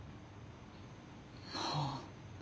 もう。